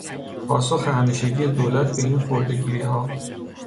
پاسخ همیشگی دولت به این خرده گیریها